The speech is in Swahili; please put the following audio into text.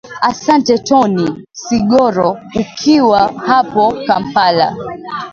asante tony sigoro ukiwa hapo kampala